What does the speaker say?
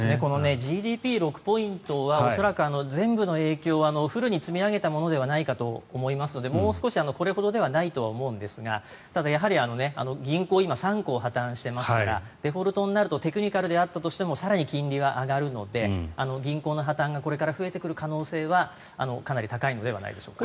ＧＤＰ６ポイントは恐らく全部の影響をフルに積み上げたものではないかと思いますのでもう少しこれほどではないと思うんですがただ、銀行今、３行破たんしていますからデフォルトになるとテクニカルであったとしても更に金利は上がるので銀行の破たんがこれから増えてくる可能性はかなり高いのではないでしょうか。